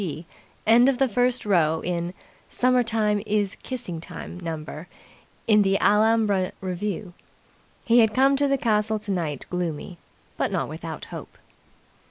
P. end of the first row in the "Summertime is Kissing time" number in the Alhambra revue. He had come to the castle tonight gloomy, but not without hope.